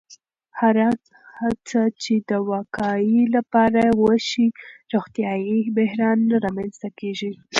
هره هڅه چې د وقایې لپاره وشي، روغتیایي بحران نه رامنځته کېږي.